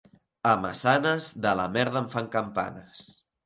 A Massanes, de la merda en fan campanes.